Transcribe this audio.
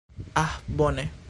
Ah bone.